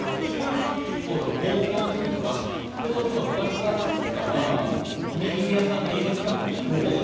中学校とか高校のときの学校とか部活が終わってからおにぎり屋さんが家の近くにあって。